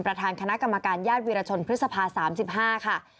ประธานคณะกรรมการญาติวิรชนพฤษภา๓๕ค่ะ